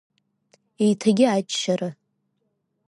Еиҭагьы аччара.